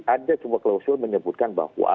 ada cuma klausul menyebutkan bahwa